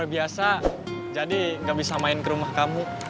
luar biasa jadi gak bisa main ke rumah kamu